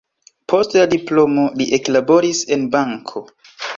Post la diplomo li eklaboris en banko.